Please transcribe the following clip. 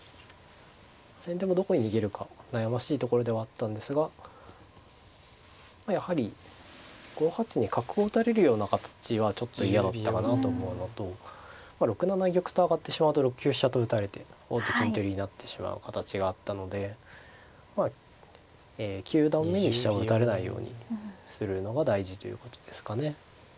先手もどこに逃げるか悩ましいところではあったんですがやはり５八に角を打たれるような形はちょっと嫌だったかなと思うのと６七玉と上がってしまうと６九飛車と打たれて王手金取りになってしまう形があったのでまあ九段目に飛車を打たれないようにするのが大事ということですかね。